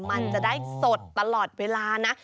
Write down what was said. มันจะได้สดตลอดเวลานะ